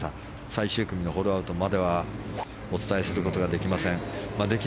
最終組のホールアウトまではお伝えすることができません。